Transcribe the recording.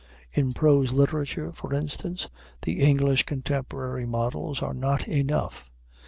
In prose literature, for instance, the English contemporary models are not enough.